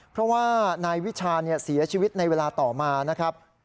เพราะว่านายวิชาเสียชีวิตในเวลาต่อมานะครับ